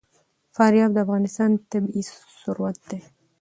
فاریاب د افغانستان طبعي ثروت دی.